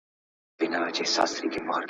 څنګه ځايي بڼوال تور جلغوزي پاکستان ته لیږدوي؟